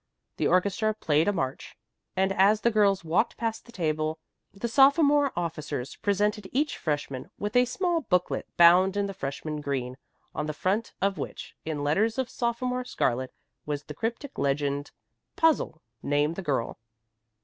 The orchestra played a march, and as the girls walked past the table the sophomore officers presented each freshman with a small booklet bound in the freshman green, on the front cover of which, in letters of sophomore scarlet, was the cryptic legend: "Puzzle name the girl."